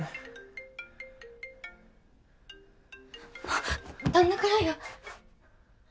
あっ旦那からや！